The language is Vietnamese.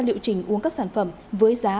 liệu trình uống các sản phẩm với giá